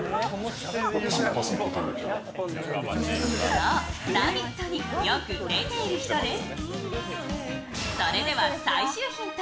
そう、「ラヴィット！」によく出ている人です。